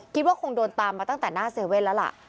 คิดว่าคงโดนตามมาตั้งแต่หน้าเซเว่นแล้วล่ะ